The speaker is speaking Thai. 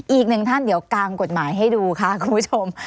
อีกหนึ่งท่านเดี๋ยวกางกฎหมายให้ดูค่ะคุณผู้ชม